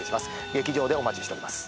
劇場でお待ちしております。